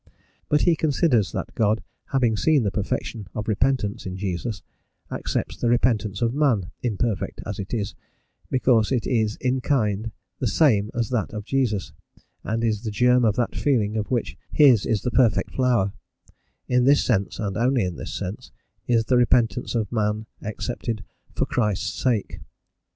But he considers that God, having seen the perfection of repentance in Jesus, accepts the repentance of man, imperfect as it is, because it is in kind the same as that of Jesus, and is the germ of that feeling of which his is the perfect flower; in this sense, and only in this sense, is the repentance of man accepted "for Christ's sake."